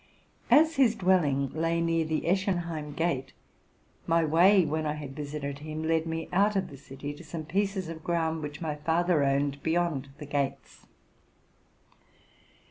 As his dwelling lay near the Eschenheim gate, my way when I had visited him led me out of the city to some pieces of ground which my father owned beyond the gates.